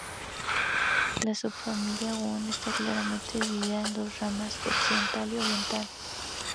La subfamilia Huon está claramente divida en dos ramas: occidental y oriental.